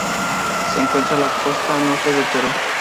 Se encuentra la costa norte del Perú.